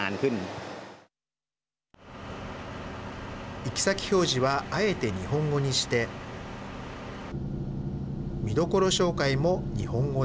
行き先表示はあえて日本語にして見どころ紹介も日本語で。